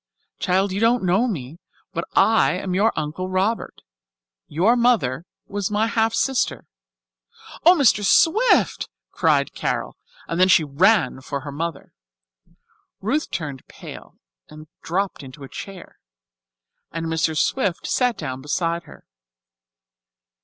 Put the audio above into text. Child, you don't know me, but I am your Uncle Robert. Your mother was my half sister." "Oh, Mr. Swift!" cried Carol, and then she ran for her mother. Ruth turned pale and dropped into a chair, and Mr. Swift sat down beside her.